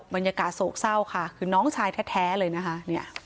บรรยากาศโศกเศร้าค่ะคือน้องชายแท้เลยนะคะ